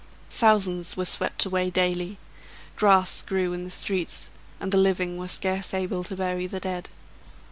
Thousands were swept away daily; grass grew in the streets, and the living were scarce able to bury the dead.